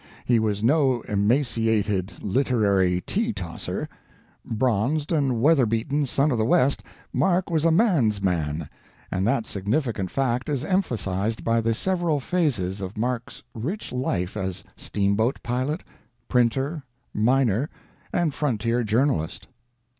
He was no emaciated literary tea tosser. Bronzed and weatherbeaten son of the West, Mark was a man's man, and that significant fact is emphasized by the several phases of Mark's rich life as steamboat pilot, printer, miner, and frontier journalist.